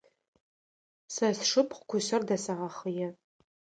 Сэ сшыпхъу кушъэр дэсэгъэхъые.